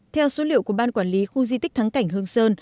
theo số liệu của ban quản lý khu di tích thắng cảnh hương sơn